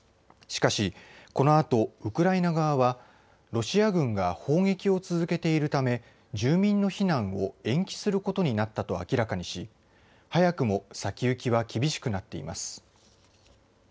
しかし、このあとウクライナ側はロシア軍が砲撃を続けているため住民の避難を延期することになったと明らかにし早くも先行きは厳しくなっています。